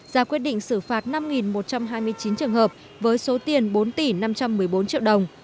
ra quyết định xử phạt năm một trăm hai mươi chín trường hợp với số tiền bốn tỷ năm trăm một mươi bốn triệu đồng